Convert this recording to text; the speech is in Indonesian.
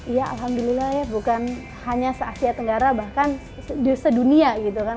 ya alhamdulillah ya bukan hanya se asia tenggara bahkan sedunia gitu kan